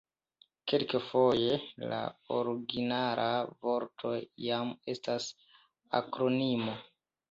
Kelkfoje la originala vorto jam estas akronimo.